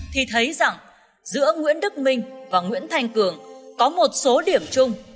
thì thấy rằng giữa nguyễn đức minh và nguyễn thanh cường có một số điểm chung